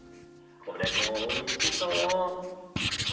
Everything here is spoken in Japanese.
これもおいしそう！